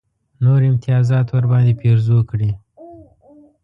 نور امتیازات ورباندې پېرزو کړي.